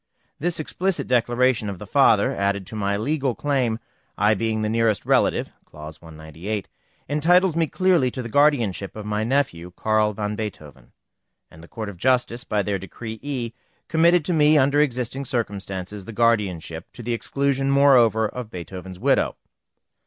This explicit declaration of the father, added to my legal claim, I being the nearest relative (clause 198), entitles me clearly to the guardianship of my nephew, Carl van Beethoven; and the Court of Justice, by their Decree E, committed to me, under existing circumstances, the guardianship, to the exclusion moreover of Beethoven's widow.